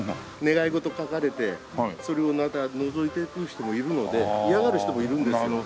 願い事書かれてそれを覗いていく人もいるので嫌がる人もいるんですよ。